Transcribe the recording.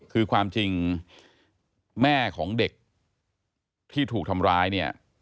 คือความจริงแม่ของเด็กที่ถูกทำร้ายเนี่ย